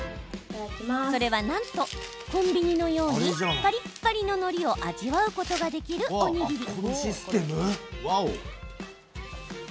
それはなんと、コンビニのようにパリッパリの、のりを味わうことができるおにぎり。